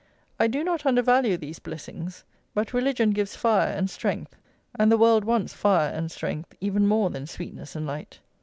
I do not undervalue these blessings, but religion gives fire and strength, and the world wants fire and strength even more than sweetness and light."